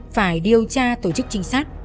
phải điều tra tổ chức trinh sát